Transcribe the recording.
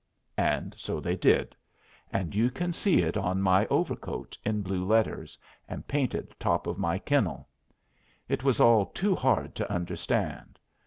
And so they did, and you can see it on my overcoat in blue letters, and painted top of my kennel. It was all too hard to understand.